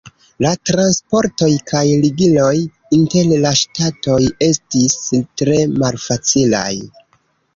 La transportoj kaj ligiloj inter la ŝtatoj estis tre malfacilaj.